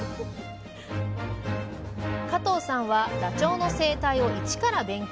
加藤さんはダチョウの生態を一から勉強。